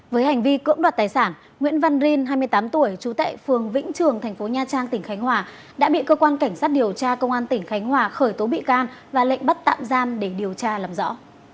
với hành vi cưỡng đoạt tài sản nguyễn văn rin hai mươi tám tuổi trú tại phường vĩnh trường thành phố nha trang tỉnh khánh hòa đã bị cơ quan cảnh sát điều tra công an tỉnh khánh hòa khởi tố bị can và lệnh bắt tạm giam để điều tra làm rõ